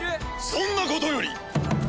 そんなことより！